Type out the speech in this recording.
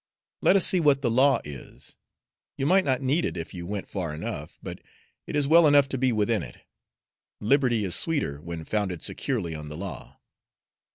Let us see what the law is; you might not need it if you went far enough, but it is well enough to be within it liberty is sweeter when founded securely on the law."